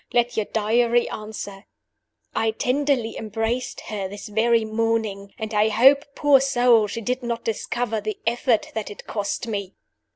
Let your Diary answer: 'I tenderly embraced her this very morning; and I hope, poor soul, she did not discover the effort that it cost me.